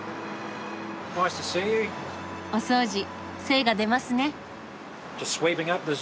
お掃除精が出ますね。